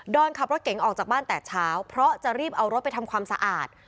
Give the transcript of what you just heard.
อนขับรถเก๋งออกจากบ้านแต่เช้าเพราะจะรีบเอารถไปทำความสะอาด